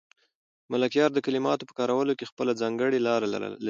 ملکیار د کلماتو په کارولو کې خپله ځانګړې لار لري.